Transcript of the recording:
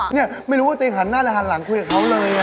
เนี่ยไม่รู้ว่าตัวเองหันหน้าหรือหันหลังคุยกับเขาเลย